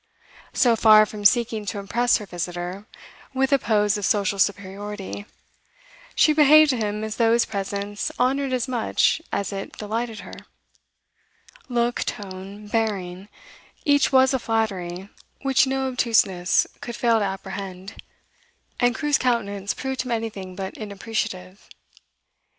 So far from seeking to impress her visitor with a pose of social superiority, she behaved to him as though his presence honoured as much as it delighted her; look, tone, bearing, each was a flattery which no obtuseness could fail to apprehend, and Crewe's countenance proved him anything but inappreciative.